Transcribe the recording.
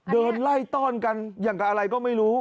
เดินไล่ต้อนกันอย่างกับอะไรก็ไม่รู้